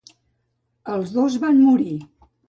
Els dos van morir.